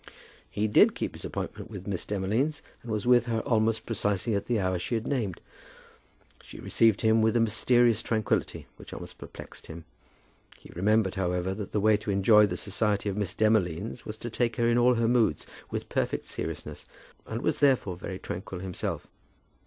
He did keep his appointment with Miss Demolines, and was with her almost precisely at the hour she had named. She received him with a mysterious tranquillity which almost perplexed him. He remembered, however, that the way to enjoy the society of Miss Demolines was to take her in all her moods with perfect seriousness, and was therefore very tranquil himself.